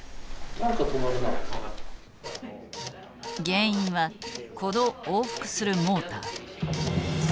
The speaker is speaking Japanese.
原因はこの往復するモーター。